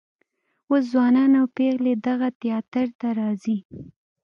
اوس ځوانان او پیغلې دغه تیاتر ته راځي.